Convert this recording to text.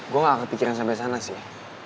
gue gak akan pikirin sampai sana sih